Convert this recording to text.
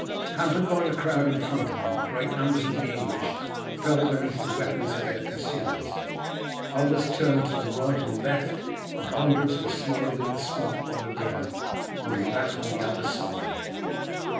Hampered by the crowd in front of them great numbers of the English fell beneath the weapons of their pursuers, others turned to the right or left, and hundreds were smothered in the swamp by the river or in that on the other side.